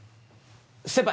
先輩！